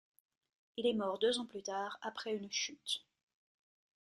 Il est mort deux ans plus tard, après une chute.